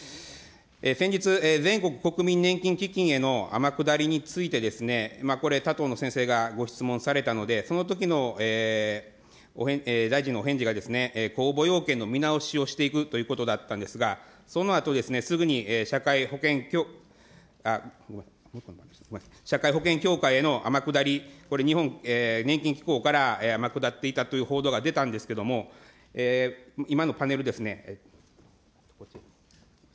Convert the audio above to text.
先日、全国国民年金基金への天下りについて、これ、他党の先生がご質問されたので、そのときの大臣のお返事が、公募要件の見直しをしていくということだったんですが、そのあと、すぐに、社会保険、ごめんなさい、社会保険協会への天下り、これ、日本年金機構から天下っていたという報道が出たんですけども、今のパネルですね。